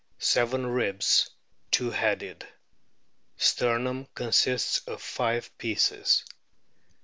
Seven ribs two headed. Sternum consists of five pieces.